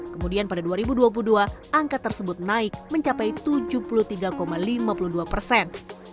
kemudian pada dua ribu dua puluh dua angka tersebut naik mencapai tujuh puluh tiga lima puluh dua persen